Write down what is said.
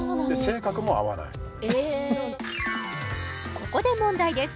ここで問題です